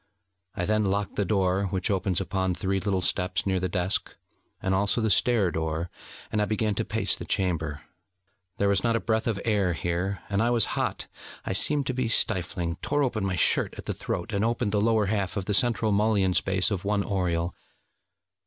I then locked the door which opens upon three little steps near the desk, and also the stair door; and I began to pace the chamber. There was not a breath of air here, and I was hot; I seemed to be stifling, tore open my shirt at the throat, and opened the lower half of the central mullion space of one oriel.